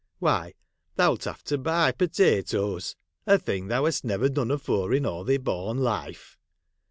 Why, thou 'It have to buy potatoes, a thing thou hast never done aibre in all thy born life.